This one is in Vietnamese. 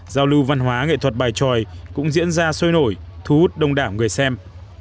giao lưu văn hóa nghệ thuật bài tròi cũng diễn ra sôi nổi thu hút đông đảo người xem